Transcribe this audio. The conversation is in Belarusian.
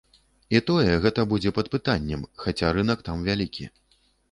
І тое, гэта будзе пад пытаннем, хаця рынак там вялікі.